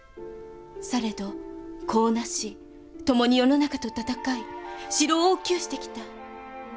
されど子をなし共に世の中と闘い城を大きゅうしてきた。